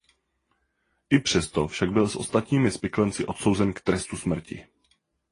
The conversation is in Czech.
I přesto však byl i s ostatními spiklenci odsouzen k trestu smrti.